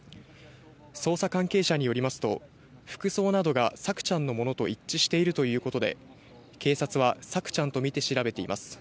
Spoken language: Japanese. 捜査関係者によりますと、服装などが朔ちゃんのものと一致しているということで、警察は朔ちゃんとみて調べています。